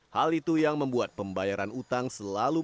hal itu yang membuat pembayaran utang selalu